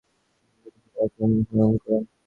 প্রতিটা হিরোই এরকম সংগ্রাম করে।